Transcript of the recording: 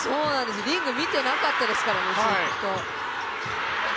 リング見てなかったですからね。